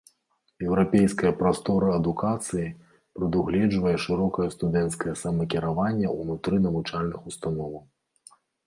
Еўрапейская прастора адукацыі прадугледжвае шырокае студэнцкае самакіраванне ўнутры навучальных установаў.